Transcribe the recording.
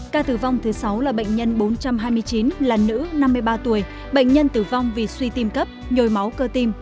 ca tử vong thứ sáu là bệnh nhân bốn trăm hai mươi chín là nữ năm mươi ba tuổi bệnh nhân tử vong vì suy tim cấp nhồi máu cơ tim